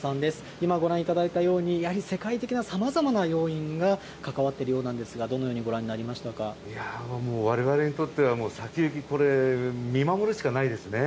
今、ご覧いただいたように、やはり世界的なさまざまな要因が関わっているようなんですが、どのよいやー、もうわれわれにとっては、先行き、見守るしかないですね。